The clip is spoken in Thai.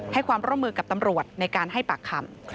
ให้ความร่วมมือกับตำรวจในการให้ปากคำ